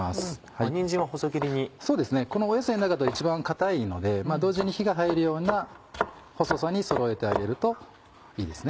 この野菜の中では一番硬いので同時に火が入るような細さにそろえてあげるといいです。